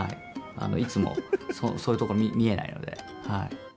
いつもそういうところ見えないので、はい。